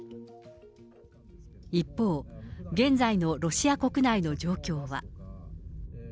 一方、現在のロシア国内の状況は。